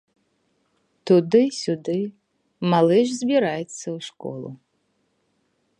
Туды-сюды, малыш збіраецца ў школу.